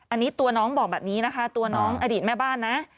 อันนี้ตัวน้องบอกแบบนี้นะคะตัวน้องอดีตแม่บ้านนะ